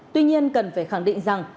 tuy nhiên cần phải khẳng định rằng